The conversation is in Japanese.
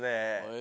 え？